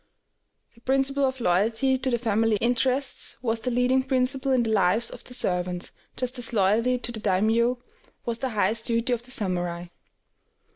The principle of loyalty to the family interests was the leading principle in the lives of the servants, just as loyalty to the daimiō was the highest duty of the samurai.